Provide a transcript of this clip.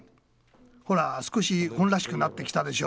ほら少し本らしくなってきたでしょ。